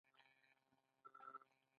هغه د یادونه په سمندر کې د امید څراغ ولید.